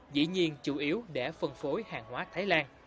dĩ nhiên chủ yếu để phân phối hàng hóa thái lan